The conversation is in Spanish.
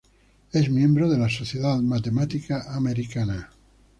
Es miembro de la Sociedad Matemática americana.